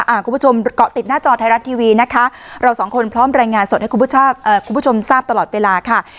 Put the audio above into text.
คุณผู้ชมเกาะติดหน้าจอไทยรัฐทีวีนะคะเราสองคนพร้อมรายงานสดให้คุณผู้ชมทราบตลอดเวลาค่ะ